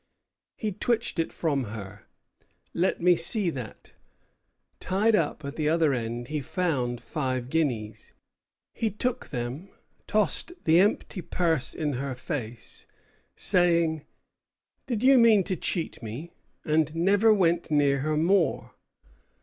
He twitched it from her: 'Let me see that.' Tied up at the other end he found five guineas. He took them, tossed the empty purse in her face, saying: 'Did you mean to cheat me?' and never went near her more.